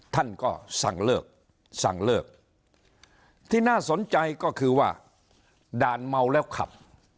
ท่านก็สั่งเลิกสั่งเลิกที่น่าสนใจก็คือว่าด่านเมาแล้วขับ